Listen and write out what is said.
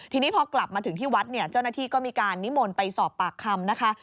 ทีนี้พอกลับมาถึงที่วัดเนี่ยเจ้าหน้าที่ก็มีการนิมนต์ไปสอบปากคำนะคะ